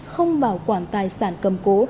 không bảo quản tài sản cầm cố